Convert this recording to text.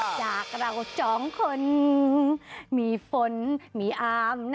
จากเราสองคนมีฝนมีอาม